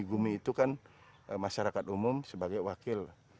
gumi itu kan masyarakat umum sebagai wakil